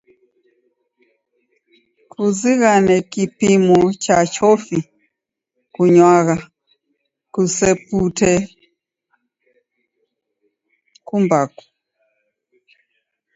Kuzighane kipimo cha chofi kunywagha, kusepute kumbaku.